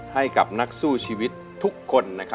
ให้กับนักสู้ชีวิตทุกคน